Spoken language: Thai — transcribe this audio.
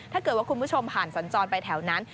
ถ้าเกิดว่าคุณผู้ชมผ่านสัญจรไปแถวนั้น